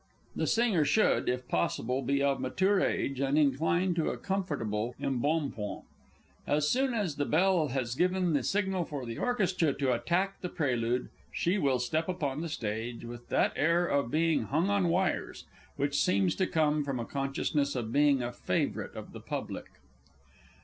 _The singer should, if possible, be of mature age, and incline to a comfortable embonpoint. As soon as the bell has given the signal for the orchestra to attack the prelude, she will step upon the stage with that air of being hung on wires, which seems to come from a consciousness of being a favourite of the public.